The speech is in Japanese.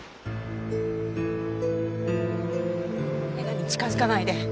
玲奈に近づかないで。